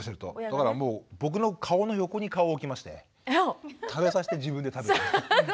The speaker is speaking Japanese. だからもう僕の顔の横に顔を置きましてね食べさせて自分で食べて。